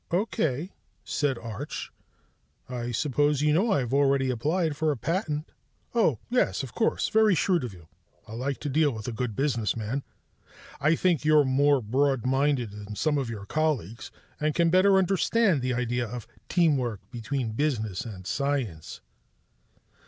"Okay," said Arch. "I suppose you know I've already applied for a patent." "Oh, yes, of course. Very shrewd of you. I like to deal with a good businessman. I think you're more broadminded than some of your colleagues, and can better understand the idea of teamwork between business and science."